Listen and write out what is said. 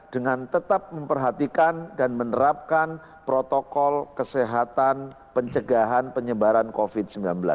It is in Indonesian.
dengan tetap memperhatikan dan menerapkan protokol kesehatan pencegahan penyebaran covid sembilan belas